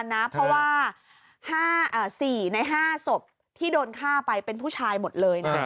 ๔ใน๕ศพที่โดนฆ่าไปเป็นผู้ชายหมดเลย